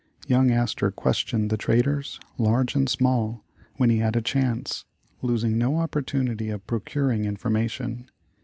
Young Astor questioned the traders, large and small, when he had a chance, losing no opportunity of procuring information.